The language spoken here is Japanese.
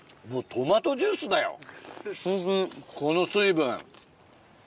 この水分。